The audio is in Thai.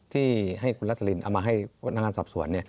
ที่ให้คุณรัสลินเอามาให้พนักงานสอบสวน